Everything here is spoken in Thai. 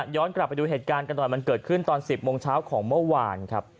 กลับไปดูเหตุการณ์กันหน่อยมันเกิดขึ้นตอน๑๐โมงเช้าของเมื่อวานครับ